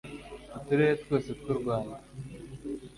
uturere twose tw u rwanda